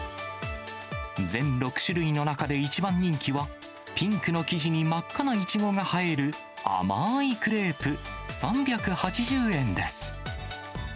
全６種類の中で一番人気は、ピンクの生地に真っ赤ないちごが映える甘ーいクレープ３８０円です。